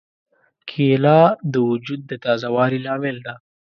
کېله د وجود د تازه والي لامل ده.